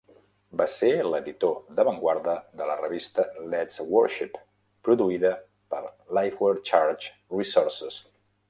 Va ser l'editor d'avantguarda de la revista "Let's Worship" produïda per Lifeway Church Resources.